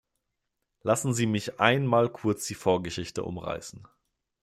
Lassen Sie mich einmal kurz die Vorgeschichte umreißen.